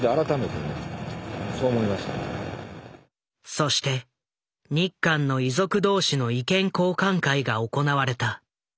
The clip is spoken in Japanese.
そして日韓の遺族同士の意見交換会が行われた。